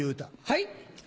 はい？